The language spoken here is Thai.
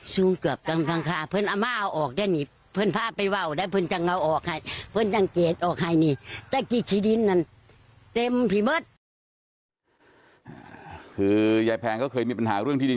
สูงเกือบกันทั้งค่ะเพื่อนอาม่าเอาออกได้นี่เพื่อนพ่อไปว่าวแล้วเพื่อนจังเอาออกให้เพื่อนจังเกตออกให้นี่